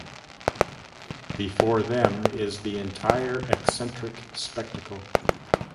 Before them is the entire eccentric spectacle.